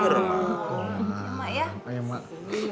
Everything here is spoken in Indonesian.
tuh denger emak